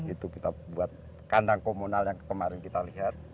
itu kita buat kandang komunal yang kemarin kita lihat